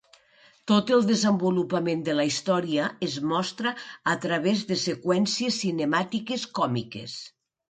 Tot el desenvolupament de la història es mostra a través de seqüències cinemàtiques còmiques.